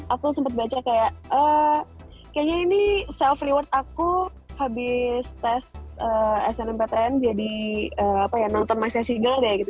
aku sempet baca kayak kayaknya ini self reward aku habis tes snmptn jadi nonton my sissy girl ya gitu